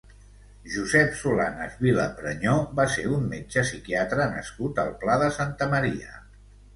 Josep Solanes Vilaprenyó va ser un metge psiquiatre nascut al Pla de Santa Maria.